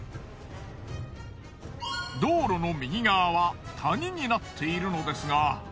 道路の右側は谷になっているのですが。